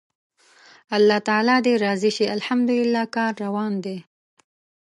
الله تعالی دې راضي شي، الحمدلله کار روان دی.